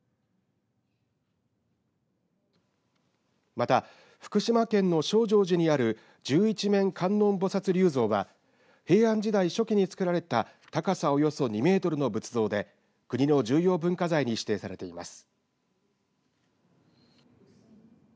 また、福島県の勝常寺にある十一面観音菩薩立像は平安時代初期につくられた高さおよそ２メートルの仏像で国の重要文化財に指定されています。